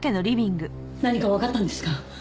何かわかったんですか？